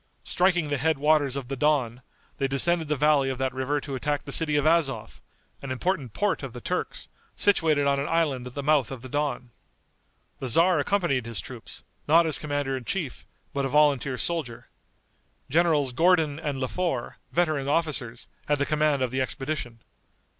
Striking the head waters of the Don, they descended the valley of that river to attack the city of Azov, an important port of the Turks, situated on an island at the mouth of the Don. The tzar accompanied his troops, not as commander in chief, but a volunteer soldier. Generals Gordon and Le Fort, veteran officers, had the command of the expedition.